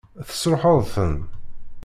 Tesṛuḥeḍ-ten?